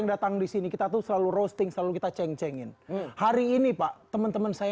datang disini kita tuh selalu roasting selalu kita ceng ceng in hari ini pak temen temen saya